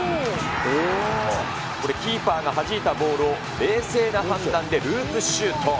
これ、キーパーがはじいたボールを冷静な判断でループシュート。